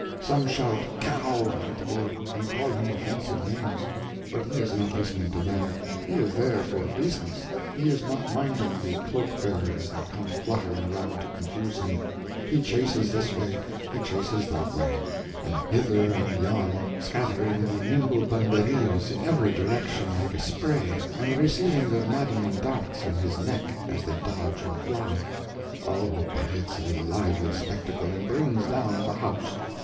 Some shout 'Cow!' at the bull, and call him offensive names. But he is not listening to them, he is there for business; he is not minding the cloak bearers that come fluttering around to confuse him; he chases this way, he chases that way, and hither and yon, scattering the nimble banderillos in every direction like a spray, and receiving their maddening darts in his neck as they dodge and fly—oh, but it's a lively spectacle, and brings down the house!